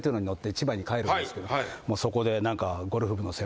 もうそこで何か。